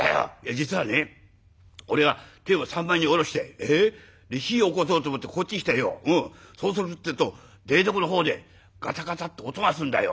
実はね俺が鯛を三枚におろして火をおこそうと思ってこっち来たらよそうするってえと台所の方でガチャガチャッと音がすんだよ。